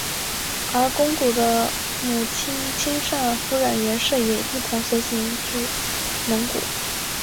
而公主的母亲钦圣夫人袁氏也一同随行到蒙古。